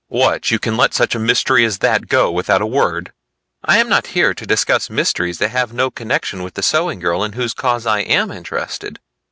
"What, you can let such a mystery as that go without a word?" "I am not here to discuss mysteries that have no connection with the sewing girl in whose cause I am interested."